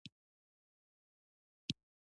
د کانونو استخراج کلي ده؟